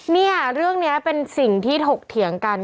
เนี่ยเรื่องนี้เป็นสิ่งที่ถกเถียงกัน